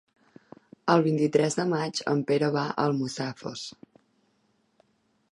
El vint-i-tres de maig en Pere va a Almussafes.